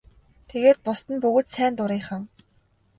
Тэгээд бусад нь бүгд сайн дурынхан.